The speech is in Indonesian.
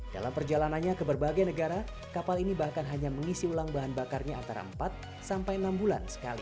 dalam perjalanannya ke berbagai negara kapal ini bahkan hanya mengisi ulang bahan bakarnya antara empat sampai enam bulan sekali